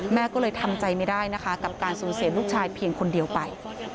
แม่ก็เลยทำใจไม่ได้นะคะกับการสูญเสียลูกชายเพียงคนเดียวไป